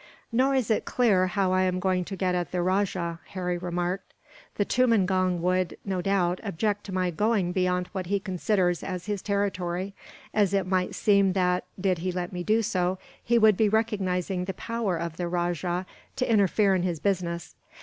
"Nor is it clear how I am to get at the rajah," Harry remarked. "The tumangong would, no doubt, object to my going beyond what he considers as his territory; as it might seem that, did he let me do so, he would be recognizing the power of the rajah to interfere in his business.